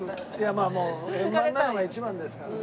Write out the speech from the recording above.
まあ円満なのが一番ですからね。